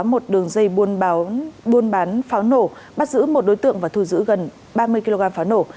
một đường dây buôn bán buôn bán pháo nổ bắt giữ một đối tượng và thu giữ gần ba mươi kg pháo nổ